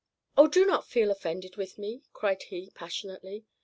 "Oh, do not feel offended with me," cried he, passionately.